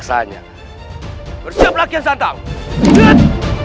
saya akan menjaga kebenaran raden